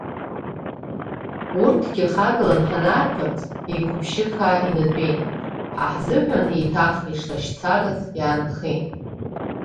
Урҭгьы хагалан ҳанаарԥырҵ, еиқәыԥшьыхаа инатәеит, ҳа ҳзыҳәан еиҭах ишлашьцараз иаанхеит…